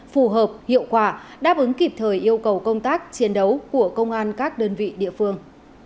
phù hợp hiệu quả đáp ứng kịp thời yêu cầu công tác chiến đấu của công an các đơn vị địa phương